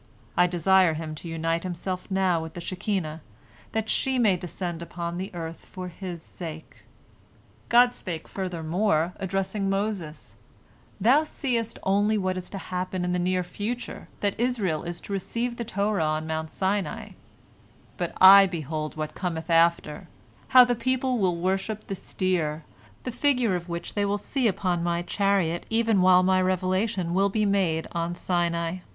I desire him to unite himself now with the Shekinah, that she may descend upon earth for his sake." God spake furthermore, addressing Moses, "Thou seest only what is to happen in the near future, that Israel is to receive the Torah on Mount Sinai, but I behold what cometh after, bow the people will worship the steer, the figure of which they will see upon My chariot, even while My revelation will be made on Sinai.